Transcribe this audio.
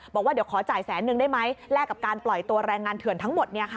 บอกว่าเดี๋ยวขอจ่ายแสนนึงได้ไหมแลกกับการปล่อยตัวแรงงานเถื่อนทั้งหมด